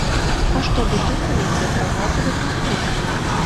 А што вы думаеце пра газавы канфлікт?